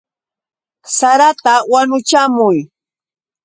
¡Sarata wanuchamuy!